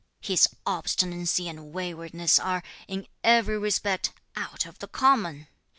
His obstinacy and waywardness are, in every respect, out of the common.